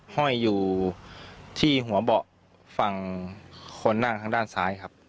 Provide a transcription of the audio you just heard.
ห้อยอยู่ที่หัวเบาะฝั่งคนนั่งทางด้านซ้ายครับ